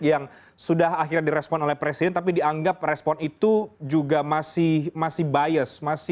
yang sudah akhirnya direspon oleh presiden tapi dianggap respon itu juga masih bias